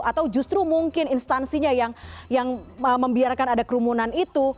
atau justru mungkin instansinya yang membiarkan ada kerumunan itu